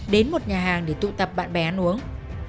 đến một nhà hàng để tụ tập bạn bè ăn uống